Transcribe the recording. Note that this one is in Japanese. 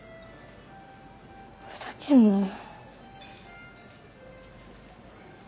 ふざけんなよ